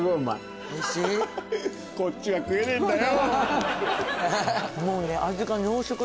こっちは食えねえんだよ。